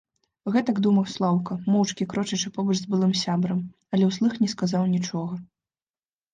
Гэтак думаў Слаўка, моўчкі крочачы побач з былым сябрам, але ўслых не сказаў нічога.